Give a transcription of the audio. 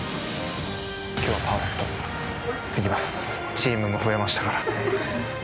チームも増えましたから。